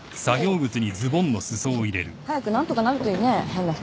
早く何とかなるといいね変な人。